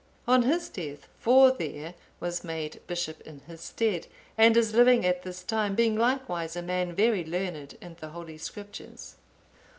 On his death, Forthere(879) was made bishop in his stead, and is living at this time, being likewise a man very learned in the Holy Scriptures.